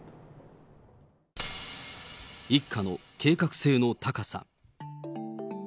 一家の計画性の高さ。